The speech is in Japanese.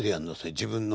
自分の。